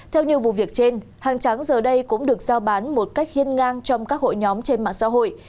theo như vụ việc trên hàng trắng giờ đây cũng được giao bán một cách hiên ngang trong các hội nhóm trên mạng xã hội